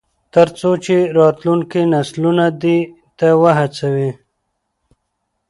تر څو راتلونکي نسلونه دې ته وهڅوي.